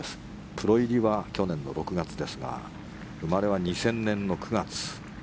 プロ入りは去年の６月ですが生まれは２０００年９月。